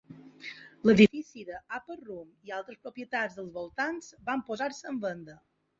L'edifici de Upper Room i altres propietats dels voltants van posar-se en venda.